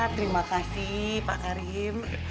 terima kasih pak karim